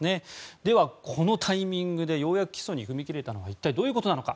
では、このタイミングでようやく起訴に踏み切れたのは一体どういうことなのか。